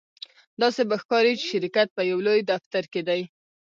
داسې به ښکاري چې شرکت په یو لوی دفتر کې دی